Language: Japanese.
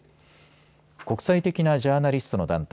国際的なジャーナリストの団体